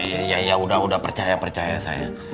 iya ya udah percaya percaya saya